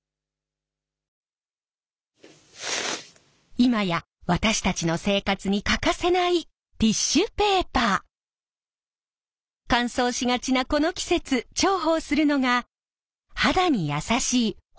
今や私たちの生活に欠かせない乾燥しがちなこの季節重宝するのが肌に優しい保湿タイプのティッシュ。